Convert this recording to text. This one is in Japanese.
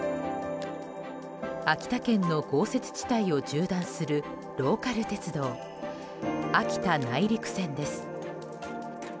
秋田県の豪雪地帯を縦断するローカル鉄道、秋田内陸線です。